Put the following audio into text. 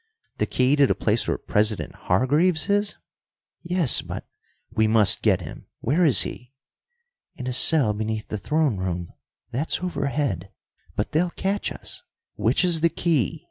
"The key to the place where President Hargreaves is?" "Yes, but " "We must get him. Where is he?" "In a cell beneath the throne room. That's overhead. But they'll catch us " "Which is the key?"